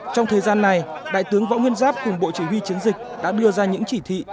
trong thời gian này đại tướng võ nguyên giáp cùng bộ chỉ huy chiến dịch đã đưa ra những chỉ thị